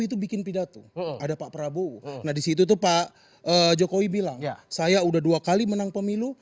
itu bikin pidato ada pak prabowo nah disitu tuh pak jokowi bilang saya udah dua kali menang pemilu